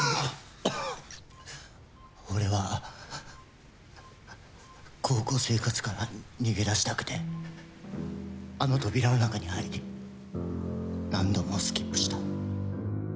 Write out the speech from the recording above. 俺は高校生活から逃げ出したくてあの扉の中に入り何度もスキップした。